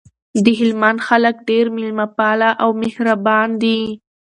دهلمند خلګ ډیر میلمه پاله او مهربان دي